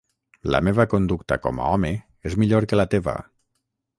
La meva conducta com a home és millor que la teva.